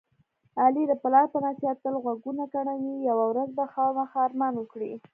علي د پلار په نصیحت تل غوږونه کڼوي. یوه ورځ به خوامخا ارمان وکړي.